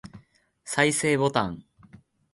再生ボタン